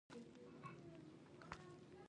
دوی ابتدايي او ثانوي زده کړې ته لاسرسی لري.